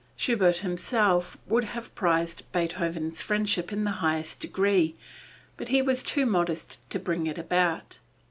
Schubert himself would have prized Beethoven's friendship in the highest degree, but he was too modest to bring it about.